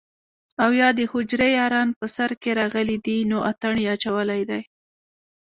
او يا دحجرې ياران په سر کښې راغلي دي نو اتڼ يې اچولے دے